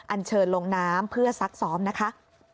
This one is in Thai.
อันเชิญลงน้ำเพื่อซักซ้อมนะคะ